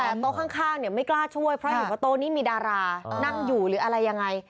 แต่โต๊ะข้างเนี่ยไม่กล้าช่วยเพราะเห็นว่าโต๊ะนี้มีดารานั่งอยู่หรืออะไรยังไง